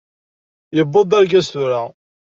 Yewweḍ d argaz tura!